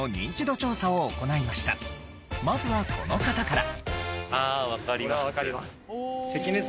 まずはこの方から。